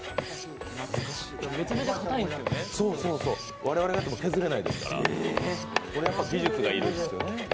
我々がやっても削れないですから、技術が要るんですよね。